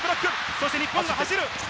そして日本が走る。